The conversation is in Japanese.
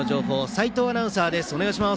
齋藤アナウンサーです。